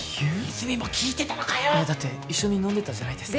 泉も聞いてたのかよっいやだって一緒に飲んでたじゃないですか